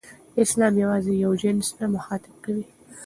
اسلام یوازې یو جنس نه مخاطب کوي.